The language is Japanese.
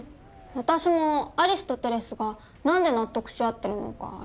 私もアリスとテレスが何で納得し合ってるのかよく分かんなかった。